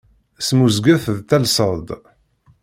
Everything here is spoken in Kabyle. Smuzget d talseḍ-d.